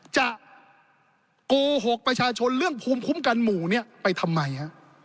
จะโกหกประชาชนเรื่องภูมิคุ้มกันหมู่เนี่ยไปทำไมฮะ